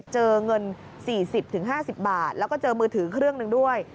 เจอเงิน๔๐๕๐บาทแล้วก็เจอมือถือเครื่องหนึ่งด้วย